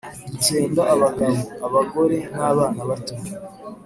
dutsemba abagabo, abagore n’abana bato,